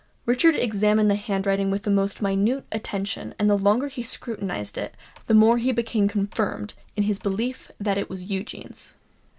Richard examined the handwriting with the most minute attention; and the longer he scrutinized it, the more he became confirmed in his belief that it was Eugene's.